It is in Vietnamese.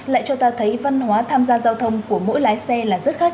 lại cho ta thấy văn hóa tham gia giao thông của mỗi lái xe là rất khác